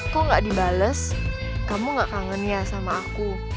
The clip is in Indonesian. kau gak dibales kamu gak kangen ya sama aku